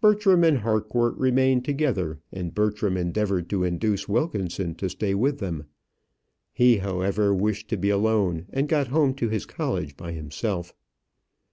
Bertram and Harcourt remained together, and Bertram endeavoured to induce Wilkinson to stay with them. He, however, wished to be alone, and got home to his college by himself.